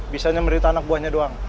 bisa nyemerintah anak buahnya doang